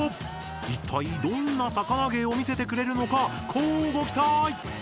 一体どんな魚芸を見せてくれるのか乞うご期待！